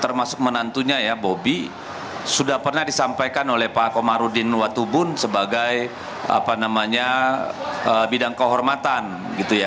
termasuk menantunya ya bobi sudah pernah disampaikan oleh pak komarudin watubun sebagai bidang kehormatan gitu ya